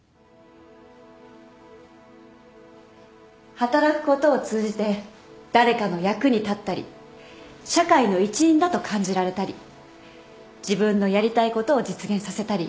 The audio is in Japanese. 働くことを通じて誰かの役に立ったり社会の一員だと感じられたり自分のやりたいことを実現させたり。